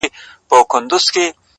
خوله يوه ښه ده ـ خو خبري اورېدل ښه دي ـ